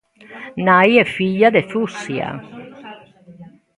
Nai e filla de fucsia.